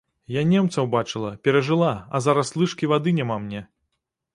Я немцаў бачыла, перажыла, а зараз лыжкі вады няма мне!